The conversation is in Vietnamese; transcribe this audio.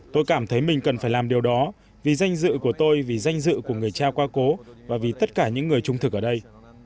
tôi cảm thấy mình cần phải làm điều đó vì danh dự của tôi vì danh dự của người cha qua cố và vì tất cả những người trung thực ở đây